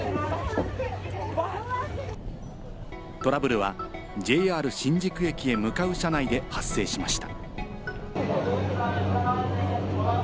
トラブルはＪＲ新宿駅へ向かう車内で発生しました。